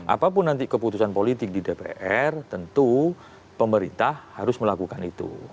apapun nanti keputusan politik di dpr tentu pemerintah harus melakukan itu